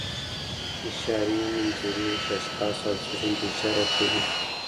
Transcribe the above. اشاري نومځري اشخاصو او څیزونو ته اشاره کوي.